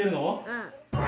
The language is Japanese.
うん。